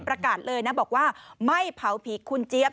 ประกาศเลยนะบอกว่าไม่เผาผีคุณเจี๊ยบ